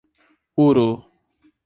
Uru